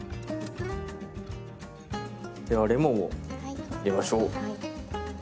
ではレモンを入れましょう。